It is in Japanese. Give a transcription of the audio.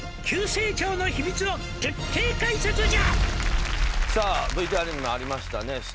「急成長の秘密を徹底解説じゃ」さあＶＴＲにもありましたね